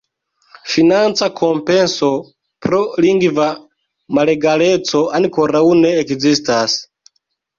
Financa kompenso pro lingva malegaleco ankoraŭ ne ekzistas.